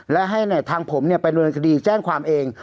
และให้ทางผมไปนวลคดีแจ้งความเอง